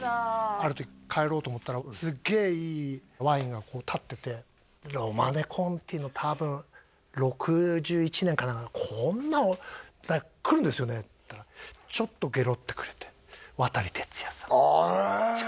ある時帰ろうと思ったらすっげえいいワインが立っててロマネ・コンティの多分６１年か何かのこんな「誰か来るんですよね？」って言ったらちょっとゲロってくれてあっええ